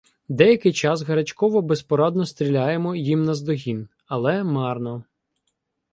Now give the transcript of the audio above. Деякий час гарячково безпорадно стріляємо їм наздогін, але марно.